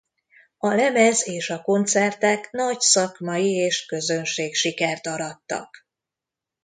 A lemez és a koncertek nagy szakmai- és közönségsikert arattak.